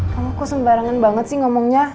kamu kok sembarangan banget sih ngomongnya